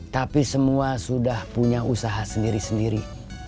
tapi semua sudah punya usaha sendiri sendiri